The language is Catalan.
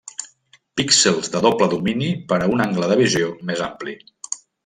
Píxels de doble domini per a un angle de visió més ampli.